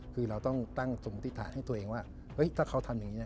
คือเราต้องตั้งสมมติฐานให้ตัวเองว่าถ้าเขาทำอย่างนี้